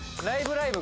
ライブ！